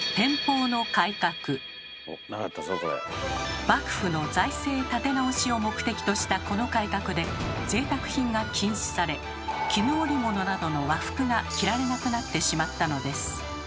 それが幕府の財政立て直しを目的としたこの改革でぜいたく品が禁止され絹織物などの和服が着られなくなってしまったのです。